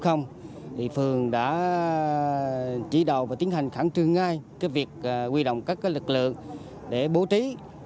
thì phường đã chỉ đạo và tiến hành khẳng trương ngay việc quy động các lực lượng để bố trí